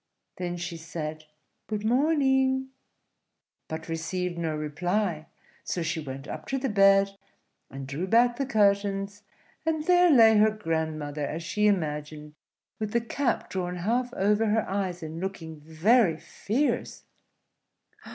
Then she said, "Good morning," but received no reply; so she went up to the bed, and drew back the curtains, and there lay her grandmother as she imagined, with the cap drawn half over her eyes and looking very fierce.